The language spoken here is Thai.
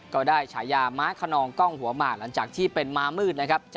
ก็ได้ฉายาม้าคนนองกล้องหัวหมากหลังจากที่เป็นม้ามืดนะครับ